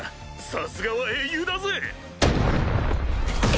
さすがは英雄だぜ！